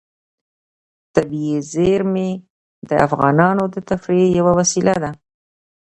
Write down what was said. طبیعي زیرمې د افغانانو د تفریح یوه وسیله ده.